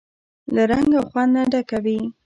له رنګ او خوند نه ډکه وي.